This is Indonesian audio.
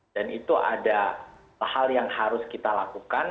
dan itu ada hal yang harus kita lakukan